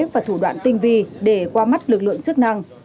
và thủ đoạn tinh vi để qua mắt lực lượng chức năng